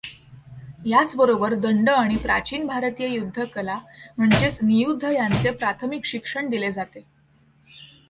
याचबरोबर दंड आणि प्राचीन भारतीय युद्ध कला म्हणजेच नियुद्ध यांचे प्राथमिक शिक्षण दिले जाते.